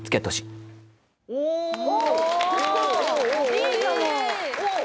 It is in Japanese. いいかも！